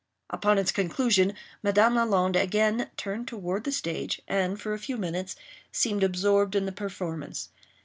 Upon its conclusion, Madame Lalande again turned toward the stage, and, for a few minutes, seemed absorbed in the performance.